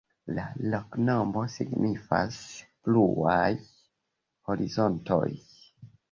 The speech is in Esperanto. La loknomo signifas: bluaj horizontoj.